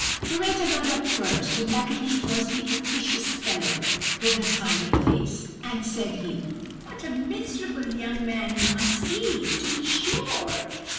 "The waiter got up first, and luckily it was the 'officious fellow' with the smiling face. And said he:— "'What a miserable young man you must be, to be sure!